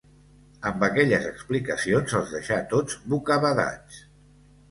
Amb aquelles explicacions els deixà tots bocabadats.